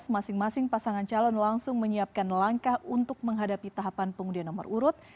masing masing pasangan calon langsung menyiapkan langkah untuk menghadapi tahapan pengundian nomor urut